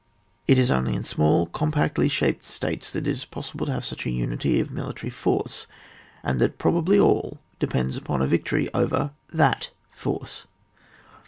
It is only in small, compactly shaped states that it is possible to have such a tmity of military force, and that proba bly all depends upon a victory over that force.